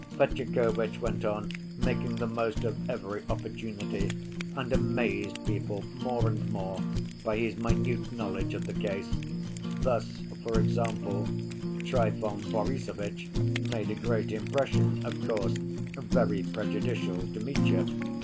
Fetyukovitch went on making the most of every opportunity, and amazed people more and more by his minute knowledge of the case. Thus, for example, Trifon Borissovitch made a great impression, of course, very prejudicial to Mitya.